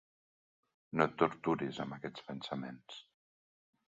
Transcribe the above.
No et torturis amb aquests pensaments.